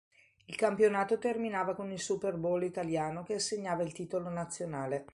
Il campionato terminava con il Superbowl italiano che assegnava il titolo nazionale.